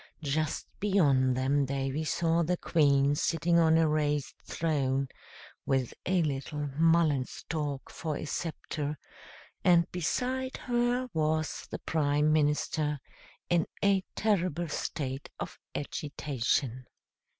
Just beyond them Davy saw the Queen sitting on a raised throne, with a little mullen stalk for a sceptre, and beside her was the Prime Minister, in a terrible state of agitation.